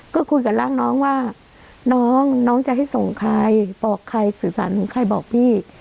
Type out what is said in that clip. ก็คุยกับร่างน้องว่าน้องน้องจะให้ส่งใครบอกใครสื่อสารของใครบอกพี่